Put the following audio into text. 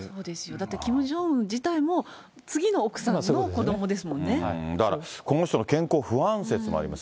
だって、キム・ジョンウン自体も、次の奥さんの子どもですもだからこの人の健康不安説もあります。